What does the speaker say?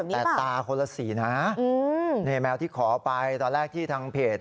แต่ตาคนละสีนะนี่แมวที่ขอไปตอนแรกที่ทางเพจ